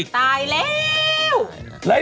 ตายแล้ว